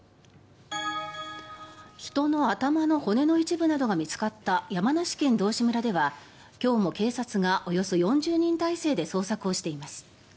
人の頭の骨の一部などが見つかった山梨県道志村では今日も警察がおよそ４０人態勢で捜索をしています。